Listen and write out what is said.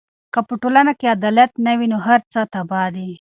که په ټولنه کې عدالت نه وي، نو هر څه تباه دي.